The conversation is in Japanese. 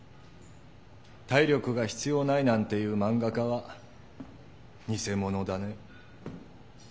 「体力が必要ない」なんて言う漫画家はニセモノだね。